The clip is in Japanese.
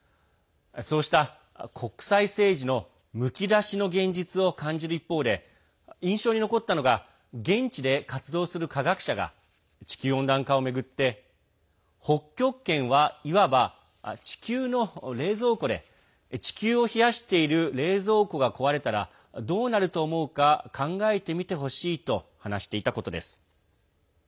そうした国際政治のむき出しの現実を感じる一方で印象に残ったのが現地で活動する科学者が地球温暖化を巡って北極圏は、いわば地球の冷蔵庫で地球を冷やしている冷蔵庫が壊れたらどうなると思うか考えてみてほしいと話していたことです。